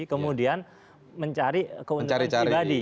kemudian mencari keuntungan pribadi